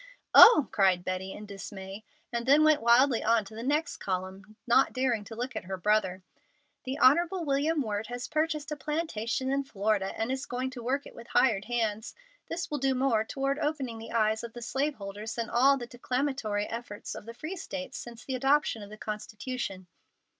"Oh!" cried Betty in dismay, and then went wildly on to the next column, not daring to look at her brother: "The Honorable William Wort has purchased a plantation in Florida, and is going to work it with hired hands. This will do more toward opening the eyes of the slaveholders than all the declamatory efforts of the free States since the adoption of the Constitution."